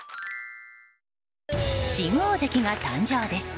新大関が誕生です。